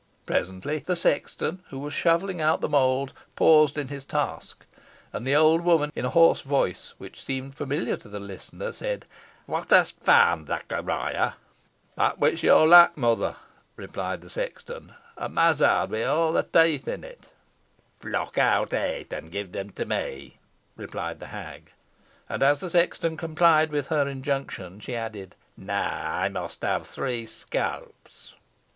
Presently, the sexton, who was shovelling out the mould, paused in his task; and the old woman, in a hoarse voice, which seemed familiar to the listener, said, "What hast found, Zachariah?" [Illustration: RICHARD OVERHEARS THE MOTHER CHATTOX AND THE SEXTON.] "That which yo lack, mother," replied the sexton, "a mazzard wi' aw th' teeth in't." "Pluck out eight, and give them me," replied the hag. And, as the sexton complied with her injunction, she added, "Now I must have three scalps."